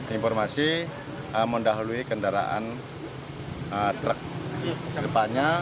informasi mendahului kendaraan truk ke depannya